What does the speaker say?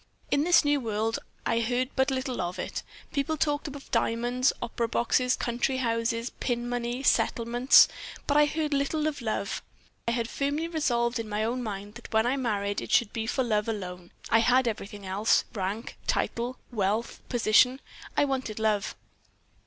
In this new world I heard but little of it. People talked of diamonds, opera boxes, country houses, pin money, settlements; but I heard little of love. I had firmly resolved in my own mind that when I married it should be for love alone. I had everything else rank, title, wealth, position. I wanted love.